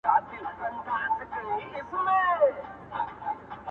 پير که خس دئ، د مريد بس دئ.